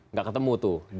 gak ketemu tuh